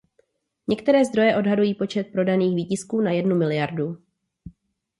Některé zdroje odhadují počet prodaných výtisků na jednu miliardu.